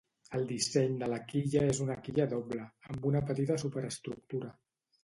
El disseny de la quilla és una quilla doble, amb una petita superestructura.